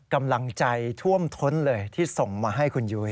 กำลังใจท่วมท้นเลยที่ส่งมาให้คุณยุ้ย